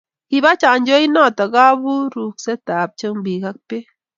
kibo chanjoit noto kaburuksetab chumbik ak beek